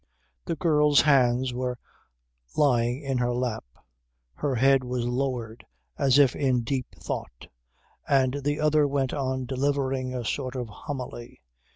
The girl's hands were lying in her lap; her head was lowered as if in deep thought; and the other went on delivering a sort of homily.